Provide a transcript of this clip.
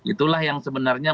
itulah yang sebenarnya